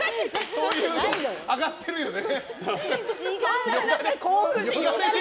そういうの上がってるよね。